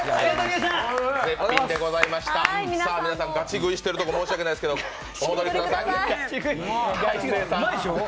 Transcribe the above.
ガチ食いしているところ申し訳ないですけど戻ってください。